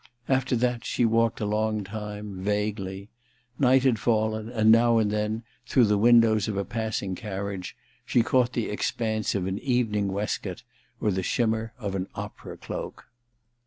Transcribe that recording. ... After that she walked a long time, vaguely. ... Ill THE RECKONING 225 Night had fallen, and now and then, through the windows of a passing carriage, she caught the expanse of an evening waistcoat or the shimmer of an opera cloak.